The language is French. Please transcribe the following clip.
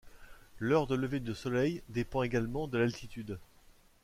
L'heure de lever de soleil dépend également de l'altitude.